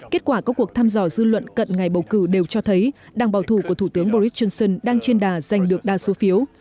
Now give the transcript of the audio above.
kết quả các cuộc thăm dò dư luận cận ngày bầu cử đều cho thấy đảng bảo thủ của thủ tướng boris johnson đang trên đà giành được đa số phiếu